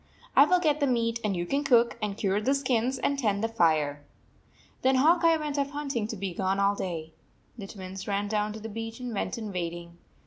I will get the meat, and you can cook, and cure the skins, and tend the fire." Then Hawk Eye went off hunting, to be gone all day. The Twins ran down to the beach and went in wading.